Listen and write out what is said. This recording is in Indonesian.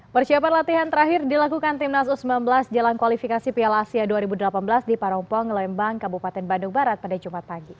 persiapan latihan terakhir dilakukan timnas u sembilan belas jelang kualifikasi piala asia dua ribu delapan belas di parompong lembang kabupaten bandung barat pada jumat pagi